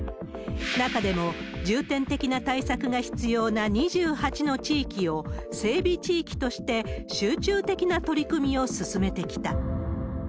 中でも、重点的な対策が必要な２８の地域を整備地域として、集中的な取り組みを進めてきた。